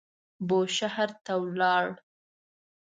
بوشهر ته ولاړ.